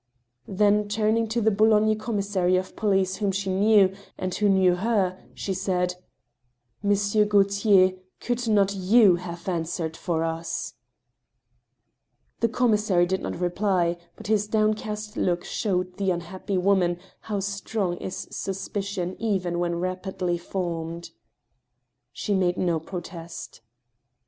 ' Then turning to the Boulogne commissary of police whom she knew, and who knew her, she said :" Monsieur Gauthier, could not^^w have answered for us ?" The commissary did not reply, but his downcast look showed the unhappy woman how strong is suspicion even when rapidly formed. She made no protest.